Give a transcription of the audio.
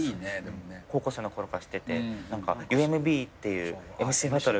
高校生のころから知っててＵＭＢっていうＭＣバトルが。